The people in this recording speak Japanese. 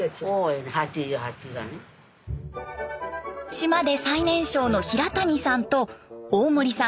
島で最年少の平谷さんと大森さん